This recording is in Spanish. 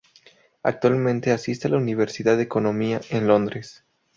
Actualmente asiste a la Universidad de Economía en Londres.